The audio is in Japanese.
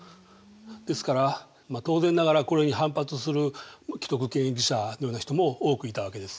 ですから当然ながらこれに反発する既得権益者のような人も多くいたわけです。